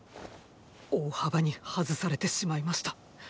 大幅にハズされてしまいました。